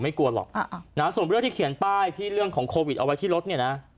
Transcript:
กลัวหรอกนะส่วนเรื่องที่เขียนป้ายที่เรื่องของโควิดเอาไว้ที่รถเนี่ยนะ